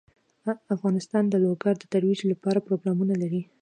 افغانستان د لوگر د ترویج لپاره پروګرامونه لري.